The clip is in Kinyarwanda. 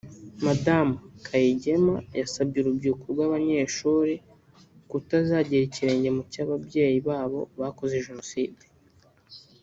Madamu Kayigema yasabye urubyiruko rw’abanyeshuri kutazagera ikirenge mu cy’ababyeyi babo bakoze Jenoside